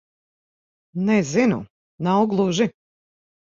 Nezinu. Nav gluži...